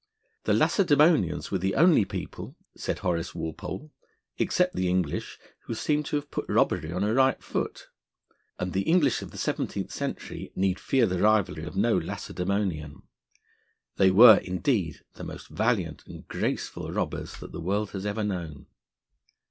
'The Lacedæmonians were the only people,' said Horace Walpole, 'except the English who seem to have put robbery on a right foot.' And the English of the seventeenth century need fear the rivalry of no Lacedæmonian. They were, indeed, the most valiant and graceful robbers that the world has ever known.